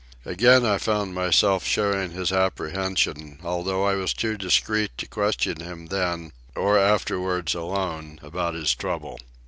Again I found myself sharing his apprehension, although I was too discreet to question him then, or afterwards alone, about his trouble.